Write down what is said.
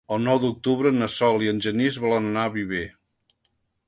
El nou d'octubre na Sol i en Genís volen anar a Viver.